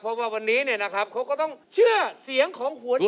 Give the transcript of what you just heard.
เพราะว่าวันนี้เขาก็ต้องเชื่อเสียงของหัวใจ